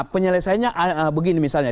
penyelesaiannya begini misalnya